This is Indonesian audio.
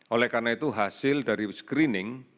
oleh karena itu hasil dari screening